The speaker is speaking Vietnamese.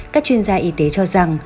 các chuyên gia y tế cho rằng